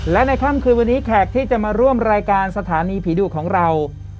และในค่ำคืนวันนี้แขกที่จะมาร่วมรายการสถานีผีดุของเรา